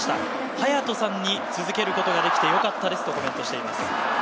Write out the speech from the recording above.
勇人さんに続けることができてよかったですとコメントしています。